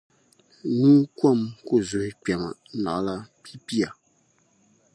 Nuu kom ku zuhi kpɛma; naɣila pipia ni.